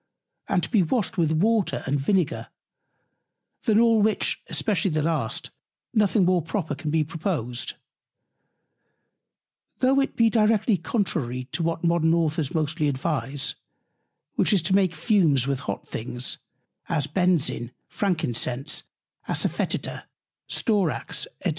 and to be washed with Water and Vinegar; than all which, especially the last, nothing more proper can be proposed: Though it be directly contrary to what Modern Authors mostly advise, which is to make Fumes with hot Things, as Benzoin, Frankincense, Asa Fœtida, Storax, &c.